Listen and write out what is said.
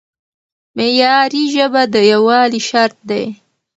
معیاري ژبه د یووالي شرط دی.